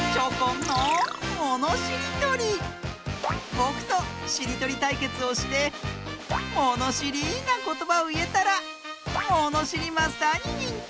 ぼくとしりとりたいけつをしてものしりなことばをいえたらものしりマスターににんてい！